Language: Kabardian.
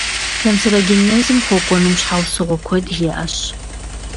Канцерогенезым хуэкӀуэным щхьэусыгъуэ куэд иӀэщ.